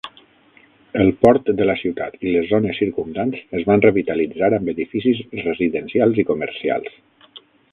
El port de la ciutat i les zones circumdants es van revitalitzar amb edificis residencials i comercials.